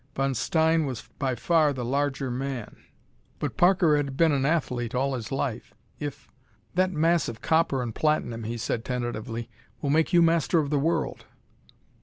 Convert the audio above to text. Von Stein was by far the larger man, but Parker had been an athlete all his life. If.... "That mass of copper and platinum," he said, tentatively, "will make you master of the world!"